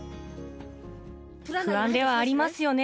不安ではありますよね。